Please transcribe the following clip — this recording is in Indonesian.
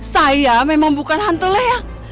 saya memang bukan hantu leak